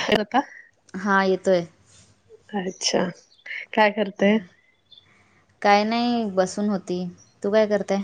हवपा! ! हा येतोय! ! अच्छा! ! काय नाही! बसून होती तू काय करताय?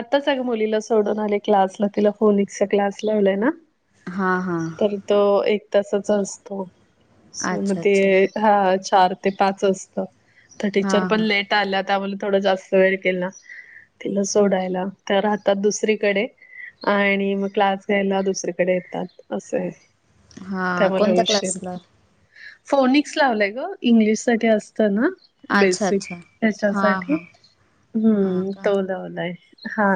आताच अगं मुलीला सोडून आले क्लासला तिला फोनिकचा क्लास लावलाय ना? हां हां! ! तो एक तासाच असतो सो मग अच्छा ते अच्छा हा चार ते पाच असत तर टीचर हां पण हां लेट आल्या त्यामुळे थोडा जास्त वेळ केला तिला सोडायला त्या राहतात दुसरीकडे आणि मग क्लास घ्यायला दुसरीकडे येतात असं आहे. त्या हां मला कोणत्या विश क्लासला फोनिक्स लावलाय ग इंग्लिश साठी असत ना! अच्छा बेसिक अच्छा हां हच्यासाठी हां हां हम्म! ! का य हा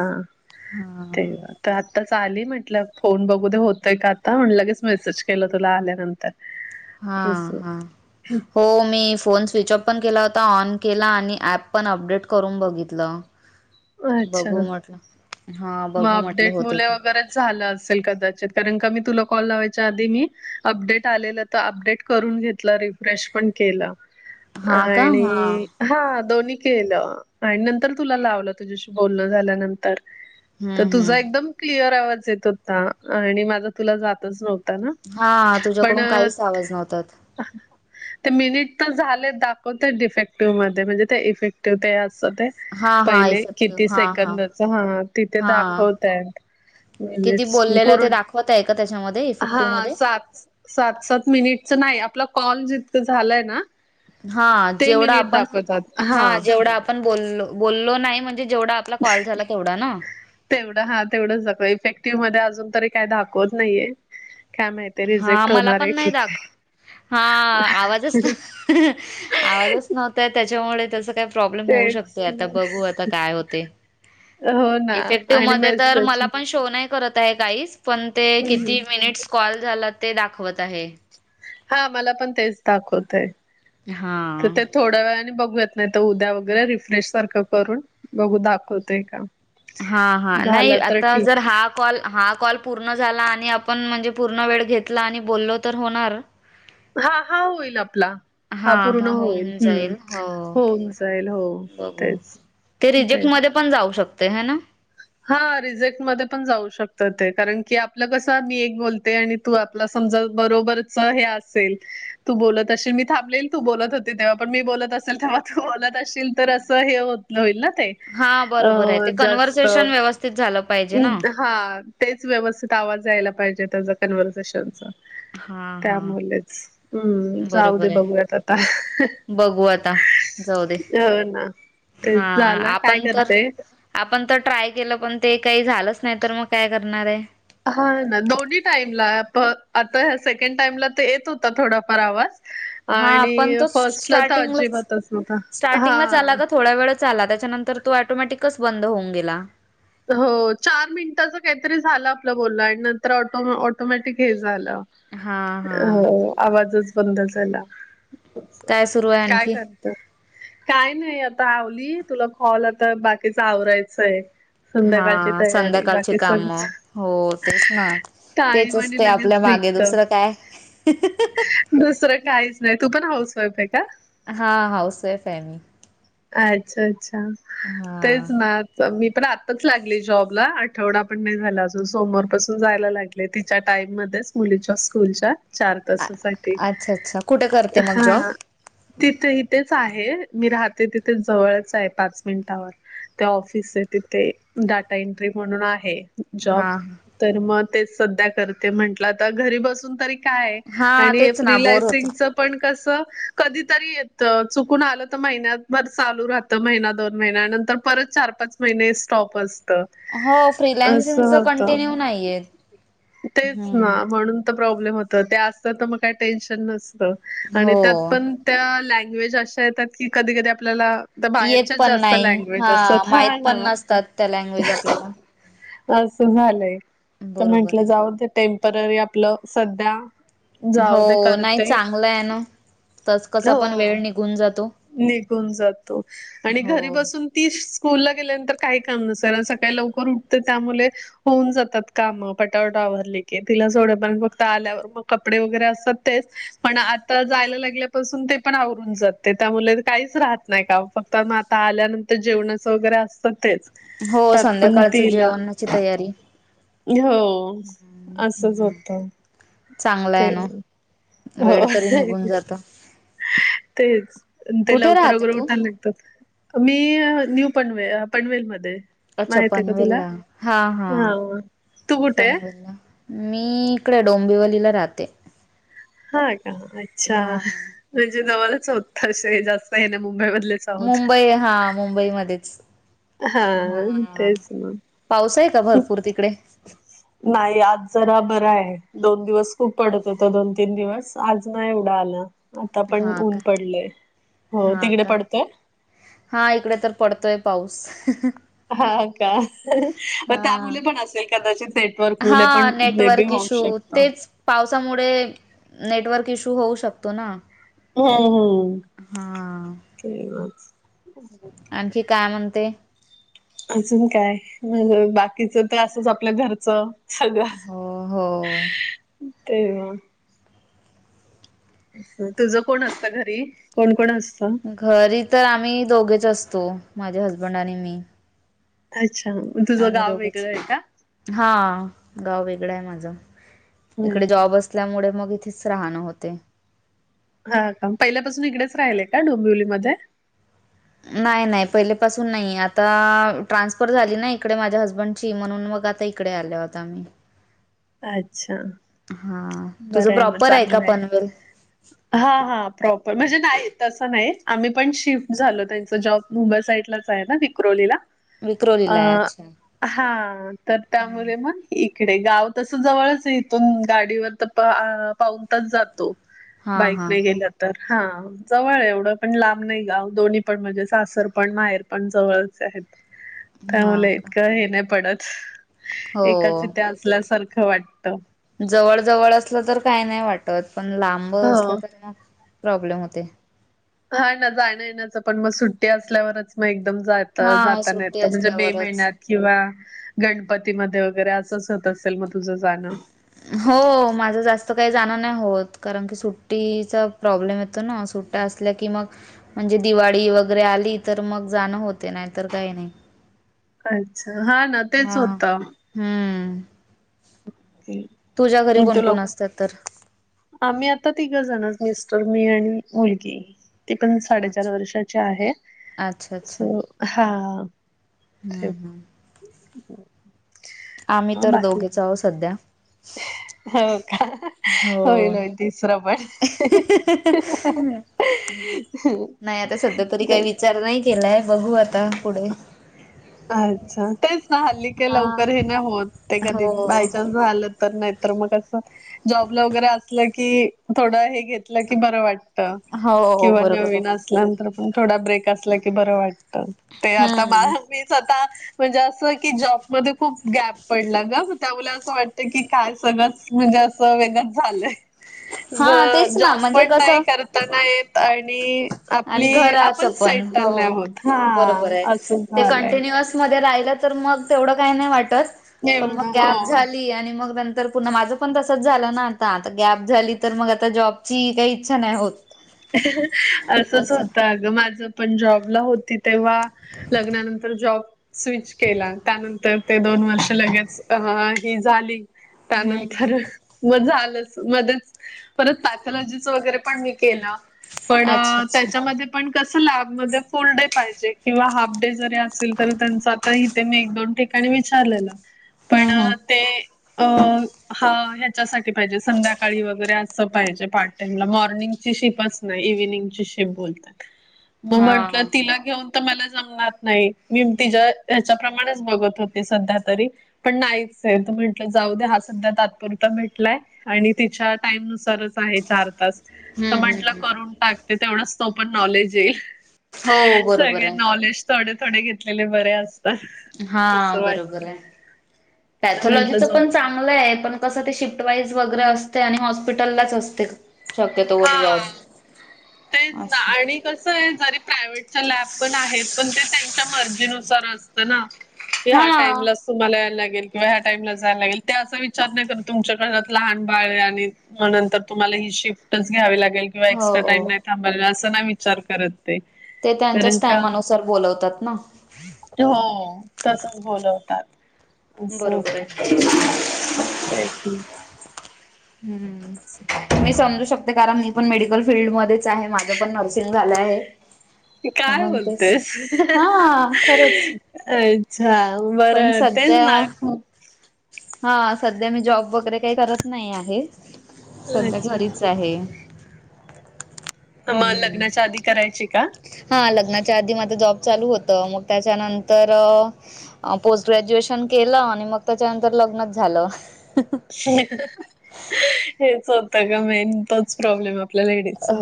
ते वा तर आत्ताच आली म्हटलं! फोन बघू दे होतय का, आता म्हण लगेच मेसेज केलं तुला आल्यानंतर हा अस हा हो! मी फोन स्विच ऑफ पण केला होता ऑन केला, आणि ऍप पण, अपडेट करून बघितलं अच्छा बघू म्हटलं हा बघू म्हटलं होत का? कणी तुला कॉलयच्या आध मी अपडेट आ! ! अपडेट करून घेतला रिफ्रेश पण केला हा का हा! ! हा दोन्ही केलं आणि नंतर तुला लावलं तुझ्याशी बोलणं झाल्यानंतर तर हं हं तुझा एकदम क्लिअर आवाज येत होता. आणि माझा तुला जातच नव्हता! ना हा तुझ्याकडून काहीच आवाज नव्हतात. अह! ! ते मिनिट तर झालेत दाखवतय डिफेक्टिव्ह मध्ये, म्हणजे ते इफेक्टिव्ह ते असं ते हां हां पहिले किती इफेक्टिव्ह हां हां सेकंदच हां तिथ हां दाखवतय मिनिट्स उम पूर्ण होतंय का त्याच्यामध् हा सात सा सात सात मिनिटच नाही आपला कॉल जितकं झालंय ना? हां ते जेवढं मिनिट आपण दाखवतात हा जेवढं आप पण बोललो बोललो नाही म्हणजे जेवढा आपला कॉल झाला तेवढा ना-? तेवढं हा तेवढंच दाखव इफेक्टिव्ह मध्ये अजून तरी, काही दाखवत नाहीये काय माहित हां मला पण नाही दाख हां आवाजच ना आवाजच नव्हता येतं त्याच्यामुळे त्याचं काय - प्रॉब्लेम होऊ तेच शकतोय ना. आता बघू आता काय होतंय. हो ना इफेक्टिव्ह आणि मध्ये तर मेसेज मला पण शो. तो नाही करत आहे गाईज पण ते किती मिनिट्स कॉल झाला ते दाखवत आहे. हा मला पण तेच दाखवतयं तर हा ते थोड थोड्या वेळाने बघू येत नाही तर उद्या वगैरे रिफ्रेश सारखं करून बघू दाखवतय का? हा हा नाही झालं तर आता जर ठीक हा कॉल हा कॉल पूर्ण झाला आणि आपण म्हणजे पूर्ण वेळ घेतला आणि बोललो तर होणार. हां हा होईल आपला. हा पूर्ण होईल होऊन हम्म जाईल हो होऊन जाईल हो बघू तेच. ते रिजेक्टमध्ये पण जाऊ शकतय हे ना? हा रिजेक्टमध्ये पण जाऊ शकतं ते, कारण की आपलं कसं मी एक बोलते आणि तू आपला समजा बरोबरच हे असेल तू बोलत अशील मी थांबलेली तू बोलत होती, तेव्हा पण मी बोलत असेल तेव्हा तू बोलत असशील, तर असं हे होत होईल ना ते. हां अ बरोबर आहे ते कन्व्हर्सेशन व्यवस्थित झालं पाहिजे ना उम्द हा तेच व्यवस्थित आवाज यायला पाहिजे त्याचा कन्व्हर्सेेशनचा. हा हा त्यामुळेच हम्म जाऊ दे बरोबर आहे बघूयात आता बघू आता जाऊदे हो ना तेच हां झालं काय आपण तर करते आपण तर ट्राय केलं पण ते काही झालंच नाही तर मग काय करणार आहे? हा ना दोन्ही टाईमला आप आता ह्या सेकंड टाइमला तर येत होता, थोडाफार आवाज हा पण आणि तो फर्स्टला तर स्टार्टिंगलाच अजिबातच नव्हता - स्टार्टिंगलाच आला ग हा थोड्या वेळ चाला त्याच्यानंतर तो ॲटोमॅटिकच बंद होऊन गेला. हो चार मिनिटाचं काहीतरी झालं आपलं बोलणं आणि नंतर ऑटो ऑटोमॅटिक हे झाला. हा अ हा आवाजच बंद झाला. काय सुरू आहे काय आणखी करत काय नाही आता आवली तुला कॉल आता बाकीच आवरायचंय संध्याकाळची हां तयारी संध्याकाळचे बाकी काम सगळंच हो तेच ना तेच टाईम आणि असतंय आपल्या लगेच मागे निघत. दुसरं काय? दुसरं काहीच नाही तू पण हाऊस वाईफ आहे का? हां हाऊस वाईफ आहे मी. अच्छा अच्छा हा तेच ना मी पण आताच लागली जॉबला आठवडा पण नाही झाला अजून, सोमवार पासून जायला लागले. ले तिच्या टाइम मध्येच मुलीच्या स्कूलच्या चार अ तासासाठी अच्छा अच्छा कुठे करते मग जॉब? हां. तिथे ही तेच आहे मी राहते तिथेच जवळच आहे पाच मिनिटावर ते ऑफिस आहे तिथे, डाटा एंट्री म्हणून आहे. जॉब हा तर मग तेच सध्या करते म्हंटलं आता घरी बसून तरी काय ए हा आणि हे तेच ना बोर होते. फ्रिलॅन्सिंगच पण कस कधीतरी येत चुकून आलं तर महिन्यातं. मंग चालू राहतं महिना दोन महिन्या नंतर परत चार पाच महिने स्टॉप असत. हो अस फ्रीलान्सिंगच होत कंटिन्यू नाहीये तेचं ना हम्म म्हणून. प्रॉब्लेम होत ते असत तर मग काही टेन्शन नसत हो. आणि त्यात पण त्या लँग्वेज अशा येतात की कधी कधी आपल्याला तर येत बाहेरच्या पण जास्त नाही लँग्वेज असत माहित हा पण ना. नसतात त्या लँग्वेज आपल्याला. असं झालंय तर बरोबर म्हंटलं आहे. जाऊ टेम्पररी आपलं सध्या जाऊ दे हो नाही करते चांगलं आहे ना तस कसा पण हो. वेळ निघून जातो निघून जातो आणि घरी हो. बसून ती स्कूल ला गेल्यानंतर काही काम नसल सकाळी लवकर उठते त्यामुले होऊन जातात काम पटावटा आवरली की तिला सोडे पर्यंत पण फक्त आल्यावर मग कपडे वगैरे असतात तेच पण आता जायला लागल्यापासून ते पण आवरून जात ते त्यामुले काहीच राहत नाही का फक्त आता आल्यानंतर जेवणाचं वगैरे असतं तेच हो त्यात पण संध्याकाळच तिला जेवणाची तयारी हो असंच हम्म होतं चांगला ते आहे ना. वेळ हो तरी निघून जातो. तेच ते कुठे लवकर राहते वगैरे तू? उठाले तुम्ही न्यू पनवेल, पनवेल मध्ये अच्छा माहित आहे का तुला पनवेलला हा, हा तू कुठे आहे? पनवल मी इकडे डोंबिवलीला राहते हा का अच्छा हा म्हणजे जवला चौथाशय जास्त आहे ना मुंबईमधलेच मुंबई हा मुंबईमध्येच हा हा तेच ना पाऊस आहे का भरपूर तिकडे नाही आज जरा बरा आहे दोन दिवस खूप पडत होता दोन, तीन दिवस आज नाही एवढा आला आता पण हा ऊन का. पडलंय हो हा तिकडे का. पडतय हा इकडे तर पडतोय पाऊस हा का मग त्या हा मु पण असेल कदाचित नेटवर्क हा मुले पण मे बी नेटवर्क होऊ इश्यू शकतं. तेच पावसामुळे नेटवर्क इश्यू होऊ शकतो ना हम्म, हम्म हा ते वेगळच आणखी काय म्हणते अजून काय बाकीच तर असच आपल्या घरचं सगळं हो हो. ते तुझं कोण असतं घरी कोण, कोण असतं घरी तर आम्ही दोघेच असतो माझे हसबंड आणि मी अच्छा तुझं आम्ही गाव दोघच वेगळं आहे का? हा गाव इकडं आहे माझं हम्म. इकडे जॉब असल्यामुळे मग इथेच राहणं होते हा का पहिल्यापासून इकडेच राहिलेय का डोंबिवलीमध्ये नाही, नाही पहिलेपासून नाही आता ट्रान्सफर झाली ना इकडे माझ्या हसबंडची म्हणून मग आता इ इकडे आलो आत्ता अच्छा हा तुझं बरं मग प्रॉपर आहे का चांगलं पनवेल हा, हा प्रॉपर म्हणजे नाही तसं नाही आम्ही पण शिफ्ट झालो त्यांच जॉब मुंबई साईड लाच आहे ना विक्रोलीला विक्रोलीला [unintelligible] हा तर हम्म. त्यामुळे मग इकडे गाव तस जवळच इथून गाडीवर अं पाऊन तास जातो हा हा बाईकने गेला तर हा जवळ आहे एवढं पण लांब नाही गाव दोन्ही पण म्हणजे सासर पण माहेर पण जवळच आहेत. त्या हा मुलं का इतकं हे नाही पडत एकाच हो. इथे असल्यासारखं वाटत. जवळ जवळ असलं तर काही नाही वाटत पण लांब हो. असलं तरी मग प्रॉब्लेम होते. हा ना जाण येण्याचं पण मग सुट्टी असल्यावरच मग एकदम जाय त हा जाता नाही येत सुट्टी त म्हणजे मे असल्यावरच. महिन्यात किंवा गणपतीमध्ये वगैरे असंच होत असेल मग तुझं जाणं? हो माझं जास्त काही जाणं नाही होत कारण की सुट्टीचा प्रॉब्लेम येतो ना सुट त्या असल्याकी मग म्हणजे दिवाडी वगैरे आली तर मग जाणं होते नाही तर काही नाही. अच्छा हा ना तेच हा होतं. हम्म. ओके. तुझ्या घरी कोणकोण असतात तर? आम्ही आता तिघं जणच मिस्टर, मी आणि मुलगी. ती पण साडेचार अच्छा. वर्षाची आहे अच्छा सो हा. ते हम् हम्. आम्ही मग तर बाकी दोघेच आहो सध्या. हो का हो होईल होईल तिसरं पण. [inaudible] नाही आता सध्या तरी काही विचार नाही केलाय बघू आता पुढे. अच्छा तेच ना हल्ली का हा लवकर हे नाही होत ते कधी हो बायचान्स झालं तर नाही तर मग अस जॉबला वगरे असलं की थोड हे घेतलं की बर वाट त हो किंवा बरोबर नवीन आहे अस ल्यानंतर पण थोडा ब्रेक असला की बरं वाटत ते आता हम्म मी स्वतः म्हणजे असं की जॉबमध्ये खूप गॅप पडला ग त्यामुळे असं वाटतं की काय सगळं म्हणजे असं वेगंच झालंय. हा तेच ना म्हणजे कसं त नाय येत आणि आणि आपली आपण आपण घराचं पण सेटल हो नाही होत. बरोबर आहे असं ते झालंय. कंटिन्युअस मध्ये राहिलं तर मग तेवढं काही नाही वाटत. पण मग एवढं गॅप हो झाली आणि मग नंतर पुन्हा माझ पण तसच झालं ना आता आता गॅप झाली तर मग आता जॉबची काही इच्छा नाही होत. असंच असं होत अग माझ पण जॉबला होती तेव्हा लग्नानंतर जॉब स्विच केला त्यानंतर ते दोन वर्ष लगेच अ ही झाली हम्म त्यानंतर म झालच मध्येच परत पॅथॉलॉजीच वगैरे पण मी केलं. पण अच्छा अच्छा त्याच्यामध्ये पण कस लॅब मध्ये फुल डे पाहिजे किंवा हाफ डे जरी असेल तर त्यांचा तरी तेे मी एक दोन ठिकाणी विचारलेलं पण हम्म हम्म ते अ हा ह्याच्यासाठी पाहिजे संध्याकाळी वगैरे असं पाहिजे पाठ टाईम ला मॉर्निंगची शीपच नाही इव्हनिंगची शिफ्ट बोलतात म हा म्हंटलं हम्म तिला घेऊन तर मला जमणार नाही. मी तिच्या हच्याप्रमाणेच बघत होते सध्या तरी पण नाहीच आहे त म्हटलं जाऊ दे हा सध्या तात्पुरता भेटलाय आणि तिच्या टाईम नुसारच आहे, चार तास. तर हम्म म्हंटलं हम्म करून टाकते, तेवढंच तो पण नॉलेज येईल. हो बरोबर सगळे आहे नॉलेज, थोडे थोडे घेतलेले बर असत. हा बरोबर आहे. तर म्हंटलं पॅथॉलॉजीच जो पण चांग चांगल आहे, पण कस ते शिफ्ट वाईज वगैरे असते आणि हॉस्पिटललाच असते. शक्यतोवर जॉब हा, तेच ना असं आणि कस आहे, जरी प्रायव्हेट च्या लॅब पण आहेत, पण ते त्यांच्या मर्जीनुसार असत ना! ते हा टाइमलस तुम्हाला यायला लागेल, किंवा ह्या टाइमला जायला लागेल ते असा विचार नाही करत तुमच्या घरात लहान बाळ आहे, आणि मग नंतर तुम्हाला ही शिफ्टच घ्यावी लागेल, किंवा एक्स्ट्रा हो टाईम नाही थांबायला, असं नाही विचार करत. ते ते कारण त्यांच्याच का टायमानुसार बोलवतात ना! हो तसच बोलवतात, असं बरोबर होतं. आहे तेच ना! ह् मी समजू शकते कारण मी पण मेडिकल फील्डमध्येच आहे, माझं पण नर्सिंग झाल आहे काय म्हणून तेच बोलतेस! हा खरंच अच्छा, पण बरं. तेच सध्या ना खूप हा, सध्या मी जॉब वगैरे काही करत नाही आहे, सध्या अच्छा घरीच आहे. मग हम्म. लग्नाच्या आधी करायची का? हा लग्नाच्या आधी माझ जॉब चालू होत, मग त्याच्यानंतर अ पोस्ट ग्रॅज्युएशन केलं, आणि मग त्याच्यानंतर लग्नच झालं. हेच होतं ग मेन, तोच प्रॉब्लेम आप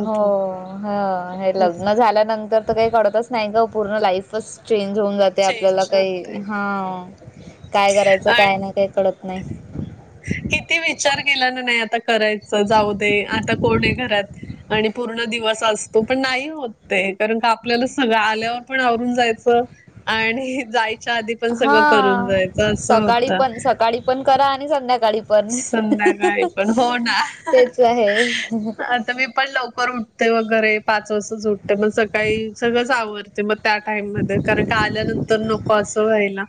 हो, ह, हे लग्न झाल्यानंतर तर काही कळतच नाही ग, पूर्ण लाईफच चेंज होऊन जाते, आपल्याला चेंज काही, होते हा काय करायचं काय नाही, आणि काय कळत नाही. किती विचार केला ना, नाही आता करायचं, जाऊ दे, आता कोण आहे घरात! आणि पूर्ण दिवस असतो, पण नाही होत ते, कारण का आपल्यालाच सगळं आल्यावर पण आवरून जायचं आणि जायच्या आधी पण सगळं करून हा जायचं, असं सकाळी होत. पण सकाळी पण करा आणि संध्याकाळी पण, संध्याकाळी पण हो तेच आहे. तर मी पण लवकर उठते वगैरे पाच वाजताच उठते, मग सकाळी सगळंच आवरते मग त्या टाइम मध्ये, कारण का आल्यानंतर नको असं व्हायला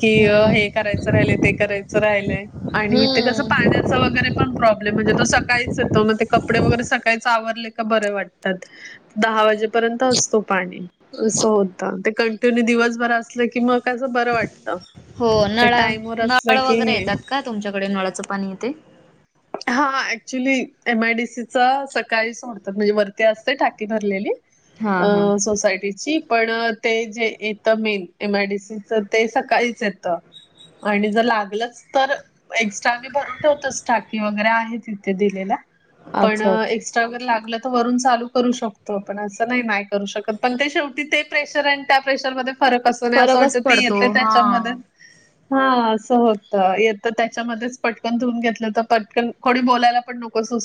कि हम्म हे करायचं राहिलय, ते करायचं राहिलंय आणि इथे कसं हम्म. पाण्याचा वगैरे पण प्रॉब्लेम, म्हणजे तो सकाळीच येतो, मग ते कपडे वगैरे सकाळीच आवरले का बरे वाटतात. दहा वाजेपर्यंत असतो पाणी, असं होत. ते कंटिन्यू दिवसभर असलं की मग कस बरं वाटत. हो ते नळा टाईम वर असलं नळ की वगैरे येतात का तुमच्याकडे नळाचं पाणी येते? हा actually M I D C च सकाळी सोडतात, म्हणजे वरती असते टाकी भरलेली हा अ हा सोसायटीची पण ते जे येत main M I D C च ते सकाळीच येतं. आणि जर लागलच तर [unintelligible] त आम्ही भरून ठेवतोच टाकी वगैरे आहेत तिथे दिलेल्या, पण अच्छा अच्छा. एक्स वगैरे लागलं तर वरून चालू करू शकतो आपण असं नाही, नाही करू शकत पण ते शेवटी ते प्रेशर आणि त्या प्रेशर मधे फरक असतो, आणि असं फरकच वाटतं ते पडतो येतं हा. त्याच्यामध्ये हा असं होत येत त्याच्यामध्येच पटकन धुऊून घेतलं तर पटकन कोणी बोलायला पण नको असं